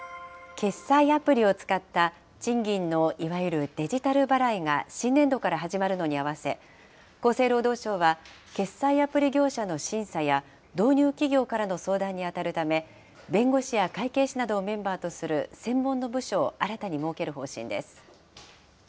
決済アプリを使った、賃金のいわゆるデジタル払いが新年度から始まるのに合わせ、厚生労働省は、決済アプリ業者の審査や、導入企業からの相談に当たるため、弁護士や会計士などをメンバーとする専門の部署を新たに設ける方針です。